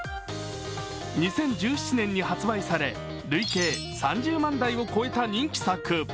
２０１７年に発売され、累計３０万台を超えた人気作。